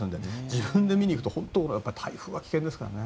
自分で見に行くと本当に台風は危険ですからね。